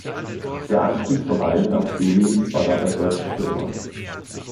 Der Anstieg von Algen ab Juli war dabei deutlich spürbar.